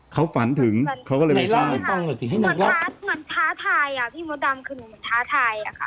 เขาฝันถึงเขาก็เลยไปสร้างเหมือนท้าทายอ่ะพี่โมดำคือหนูเหมือนท้าทายอ่ะค่ะ